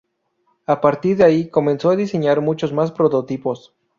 A partir de ahí, comenzó a diseñar muchos más prototipos